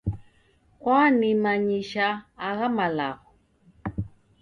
Kwanimanyisha agha malagho